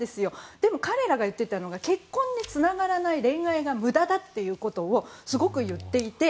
でも彼らが言ってたのが結婚につながらない恋愛が無駄だっていうことをすごく言っていて。